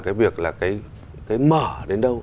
cái việc là cái mở đến đâu